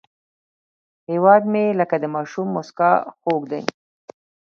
هیواد مې لکه د ماشوم موسکا خوږ دی